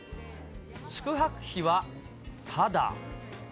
宿泊費はただ。